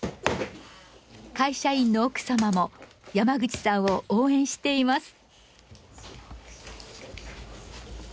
会社員の奥さまも山口さんを応援しています。